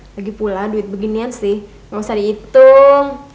lagipula duit beginian sih gak usah dihitung